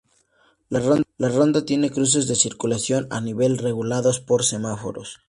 La ronda tiene cruces de circulación a nivel regulados por semáforos.